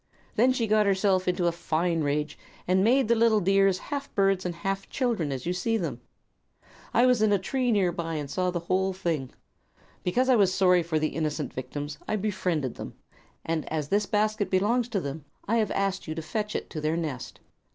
Then she got herself into a fine rage and made the little dears half birds and half children, as you see them. I was in a tree near by, and saw the whole thing. Because I was sorry for the innocent victims I befriended them, and as this basket belongs to them I have asked you to fetch it to their nest."